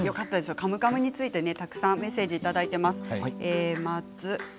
「カムカム」についてたくさんメッセージをいただいています。